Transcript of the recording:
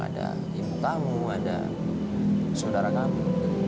ada ibu kamu ada saudara kamu